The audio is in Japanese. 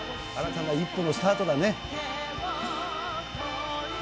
新たな一歩のスタートだね。